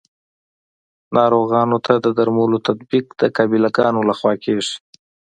ناروغانو ته د درملو تطبیق د قابله ګانو لخوا کیږي.